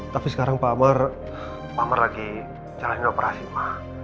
tapi sekarang pak amar pak amar lagi jalani operasi ma